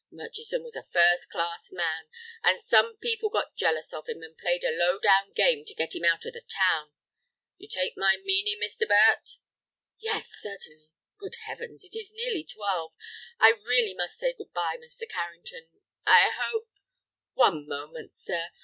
Murchison was a first class man, and some people got jealous of him, and played a low down game to get him out of the town. You take my meaning, Mr. Burt?" "Yes, certainly. Good Heavens, it is nearly twelve. I must really say good bye, Mr. Carrington; I hope—" "One moment, sir.